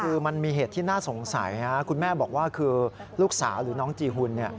คือมันมีเหตุที่น่าสงสัยคุณแม่บอกว่าคือลูกสาวหรือน้องจีหุ่น